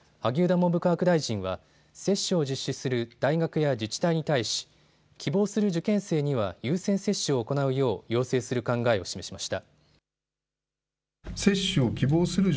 文部科学大臣は接種を実施する大学や自治体に対し、希望する受験生には優先接種を行うよう要請する考えを示しました。